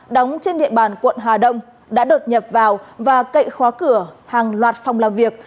đóng trên địa bàn quận hà đông đã đột nhập vào và cậy khóa cửa hàng loạt phòng làm việc